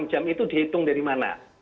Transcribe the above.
enam jam itu dihitung dari mana